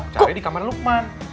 caranya di kamarnya lukman